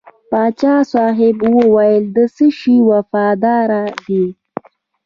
پاچا صاحب وویل د څه شي وفاداره دی.